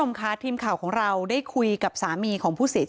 ชาวบ้านในพื้นที่บอกว่าปกติผู้ตายเขาก็อยู่กับสามีแล้วก็ลูกสองคนนะฮะ